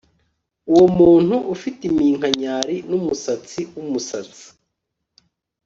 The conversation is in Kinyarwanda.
Uwo muntu ufite iminkanyari n umusatsi wumusatsi